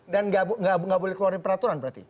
dan nggak boleh keluarin peraturan berarti